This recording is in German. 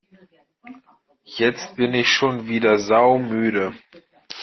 Jetzt bin ich schon wieder saumüde!